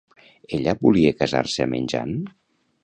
Ella volia casar-se amb en Jan?